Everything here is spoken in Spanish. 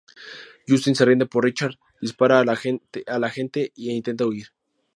Justin se rinde pero Richard dispara a la agente e intenta huir.